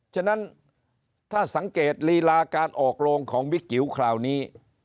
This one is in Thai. ฉะนั้นถ้าสังเกตลีลาการออกโรงของบิ๊กจิ๋วคราวนี้